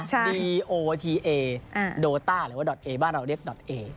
ดีโอทีเอโดต้าหรือว่าดอทเอบ้านเราเรียกดอทเอ